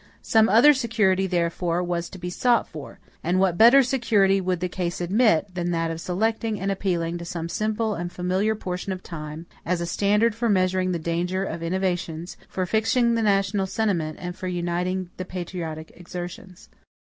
Some other security, therefore, was to be sought for; and what better security would the case admit, than that of selecting and appealing to some simple and familiar portion of time, as a standard for measuring the danger of innovations, for fixing the national sentiment, and for uniting the patriotic exertions?